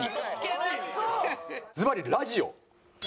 ずばりラジオ。